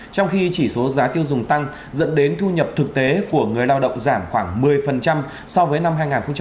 trong khi chỉ số giá tiêu dùng tăng dẫn đến thu nhập thực tế của người lao động giảm khoảng một mươi so với năm hai nghìn một mươi bảy